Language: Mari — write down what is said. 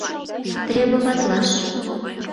Требоватлаш».